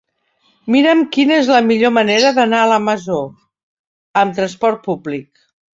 Mira'm quina és la millor manera d'anar a la Masó amb trasport públic.